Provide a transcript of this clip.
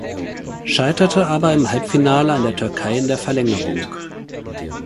Scheiterte aber im Halbfinale an der Türkei in der Verlängerung.